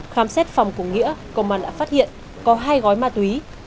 khám xét phòng của nghĩa công an đã phát hiện có hai gói ma túy